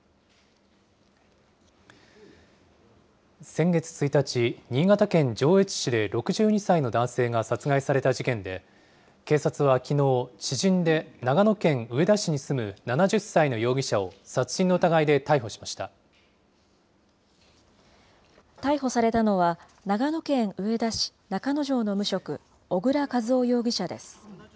先月１日、新潟県上越市で６２歳の男性が殺害された事件で、警察はきのう、知人で長野県上田市に住む７０歳の容疑者を、逮捕されたのは、長野県上田市中之条の無職、小倉一夫容疑者です。